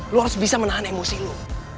lo harus bisa menahan emosi lo